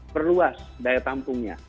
berluas daya tampungnya